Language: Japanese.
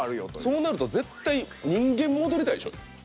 そうなると絶対人間戻りたいでしょ。